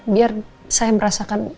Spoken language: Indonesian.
biar saya merasakan